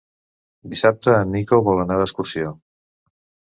Dissabte en Nico vol anar d'excursió.